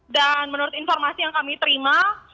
dan menurut informasi yang kami terima